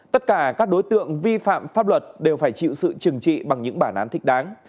tất cả các đối tượng vi phạm pháp luật đều phải chịu sự trừng trị bằng những bản án thích đáng